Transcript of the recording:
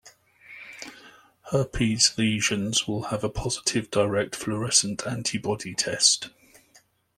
Herpes lesions will have a positive direct fluorescent antibody test.